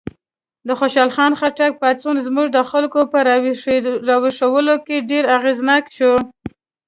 د خوشحال خان پاڅون زموږ د خلکو په راویښولو کې ډېر اغېزناک شو.